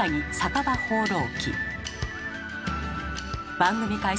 番組開始